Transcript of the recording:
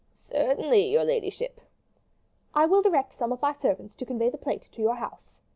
"Certainly, your ladyship." "I will direct some of my servants to convey the plate to your house."